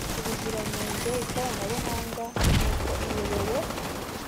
ubuziranenge ikoranabuhanga n’uko iyobowe